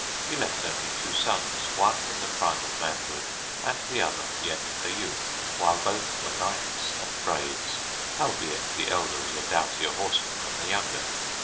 [FN#2] He left only two sons, one in the prime of manhood and the other yet a youth, while both were Knights and Braves, albeit the elder was a doughtier horseman than the younger.